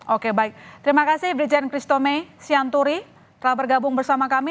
oke baik terima kasih brigjen christomey sianturi telah bergabung bersama kami